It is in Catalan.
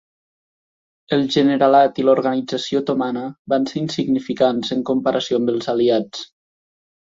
El generalat i l'organització otomana van ser insignificants en comparació amb els Aliats.